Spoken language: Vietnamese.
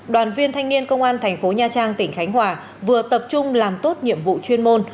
đoàn viên thanh niên công an thành phố nha trang tỉnh khánh hòa vừa tập trung làm tốt nhiệm vụ chuyên môn